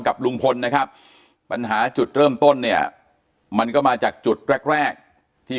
กับลุงพลนะครับปัญหาจุดเริ่มต้นเนี่ยมันก็มาจากจุดแรกแรกที่